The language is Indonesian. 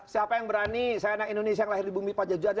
siapa yang berani saya anak indonesia yang lahir di bumi pajajaran